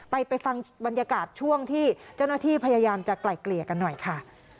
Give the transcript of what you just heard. ไปไปฟังบรรยากาศช่วงที่เจ้าหน้าที่พยายามจะไกลเกลี่ยกันหน่อยค่ะ